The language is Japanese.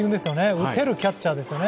打てるキャッチャーですよね。